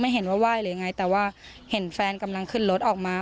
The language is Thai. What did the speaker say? เห็นว่าไหว้หรือยังไงแต่ว่าเห็นแฟนกำลังขึ้นรถออกมา